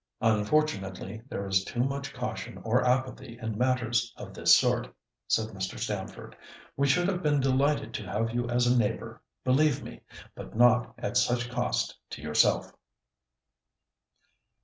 "Unfortunately, there is too much caution or apathy in matters of this sort," said Mr. Stamford. "We should have been delighted to have you as a neighbour, believe me, but not at such cost to yourself."